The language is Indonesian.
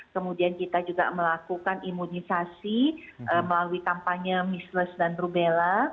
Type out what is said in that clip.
kemudian kita juga melakukan imunisasi melalui tampannya missles dan rubela